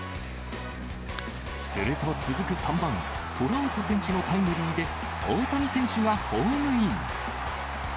すると続く３番トラウト選手のタイムリーで、大谷選手がホームイン。